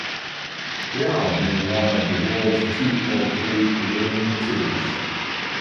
They have been one of the world's two or three leading teams.